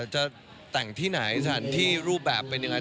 จะแต่งที่ไหนสถานที่รูปแบบเป็นยังไง